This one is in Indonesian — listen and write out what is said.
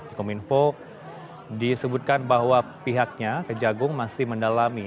di kominfo disebutkan bahwa pihaknya kejagung masih mendalami